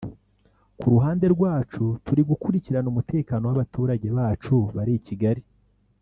Ku ruhande rwacu turi gukurikirana umutekano w’abaturage bacu bari i Kigali